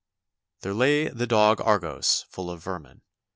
^ There lay the Dog Argos, full of vermin.